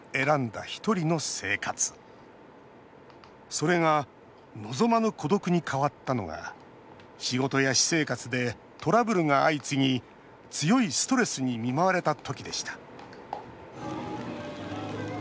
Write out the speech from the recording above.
それが望まぬ孤独に変わったのが仕事や私生活でトラブルが相次ぎ強いストレスに見舞われた時でした。